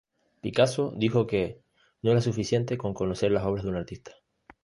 Picasso dijo que “no era suficiente con conocer las obras de un artista.